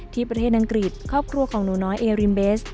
ที่ประเทศอังกฤษครอบครัวของหนูน้อยเอริมเบส